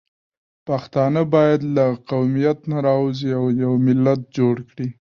پښتانه باید له قومیت نه راووځي او یو ملت جوړ کړي